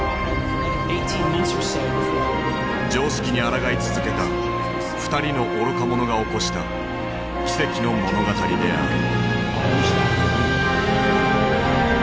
常識にあらがい続けた二人の「愚か者」が起こした奇跡の物語である。